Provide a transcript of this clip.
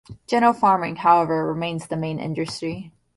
General farming, however, remains the main industry.